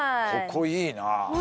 ここいいなあ